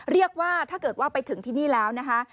ถ้าเกิดว่าถ้าเกิดว่าไปถึงที่นี่แล้วนะคะ